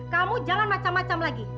kamu jangan macam macam lagi